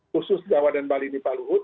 khusus jawa dan bali ini pak luhut